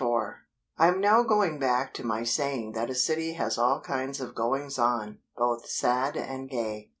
_) XXIV I am now going back to my saying that a city has all kinds of goings on; both sad and gay.